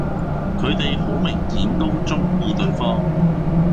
佢哋好明顯都鍾意對方